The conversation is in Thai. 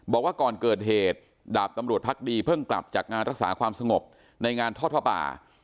บอกว่าก่อนเกิดเหตุดาบตำรวจพักดีเพิ่งกลับจากงานรักษาความสงบในงานทอดผ้าป่า